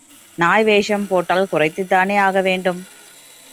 நாய் வேஷம் போட்டால் குரைத்துத்தானே ஆகவேண்டும்?